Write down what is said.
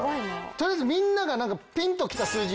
とりあえずみんながピンときた数字１個書こう。